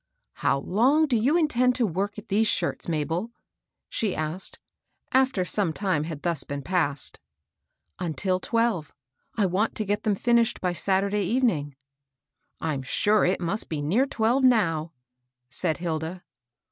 " How long do you intend to work at these shirts, Mabel ?" she asked, after some time had thus been passed. Until twelve. I want to get them finished by Saturday evening." " I'm sure it must be near twelve now," said Hilda.